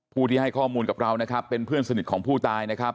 ผู้ที่ให้ข้อมูลกับเรานะครับเป็นเพื่อนสนิทของผู้ตายนะครับ